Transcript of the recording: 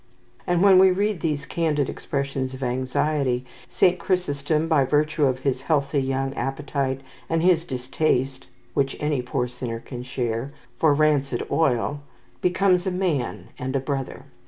And when we read these candid expressions of anxiety, Saint Chrysostom, by virtue of his healthy young appetite, and his distaste (which any poor sinner can share) for rancid oil, becomes a man and a brother.